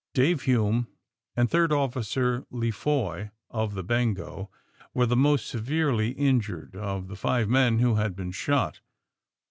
Dave Hume and Third Officer Lefoy of the ^'Bengo" were the most severely injured of the five men who had been shot.